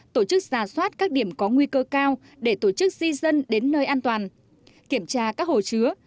tổ chức giả soát các điểm có nguy cơ cao để tổ chức di dân đến nơi an toàn kiểm tra các hồ chứa